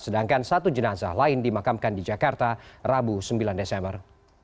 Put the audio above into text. sedangkan satu jenazah lain dimakamkan di jakarta rabu sembilan desember